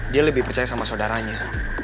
dia lebih percaya sama saudaranya